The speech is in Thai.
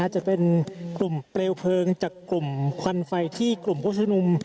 จะเป็นกลุ่มเปลวเพลิงจากกลุ่มควันไฟที่กลุ่มผู้ชมนุม